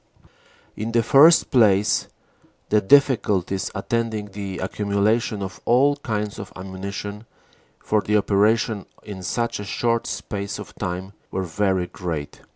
In the first place, the difficulties attending the accumulation of all kinds of ammunition for the operation in such a short space of time were very great.